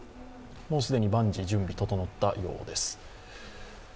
もう既に万事準備整ったようです。